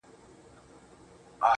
دلته خواران ټوله وي دلته ليوني ورانوي,